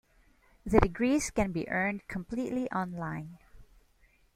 The degrees can be earned completely online.